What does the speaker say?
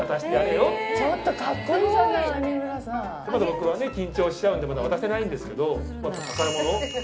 僕は緊張しちゃうんでまだ渡してないんですけど宝物です。